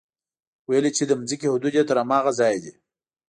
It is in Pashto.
ويل يې چې د ځمکې حدود يې تر هماغه ځايه دي.